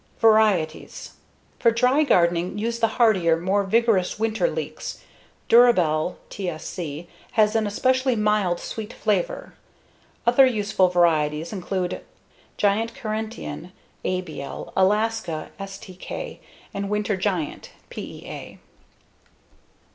Varieties: For dry gardening use the hardier, more vigorous winter leeks. Durabel (TSC) has an especially mild, sweet flavor. Other useful varieties include Giant Carentian (ABL), Alaska (STK), and Winter Giant (PEA).